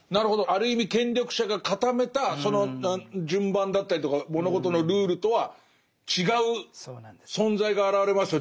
ある意味権力者が固めたその順番だったりとか物事のルールとは違う存在が現れますよ